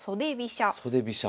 袖飛車。